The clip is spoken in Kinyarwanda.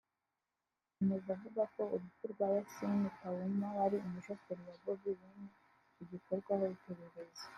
Akomeza avuga ko urupfu rwa Yasin Kawuma wari umushoferi wa Bobi Wine rugikorwaho iperereza